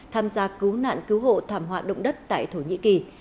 tham gia cứu nạn cứu hộ thảm họa động đất tại thổ nhĩ kỳ